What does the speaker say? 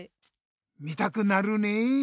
見たくなるねえ。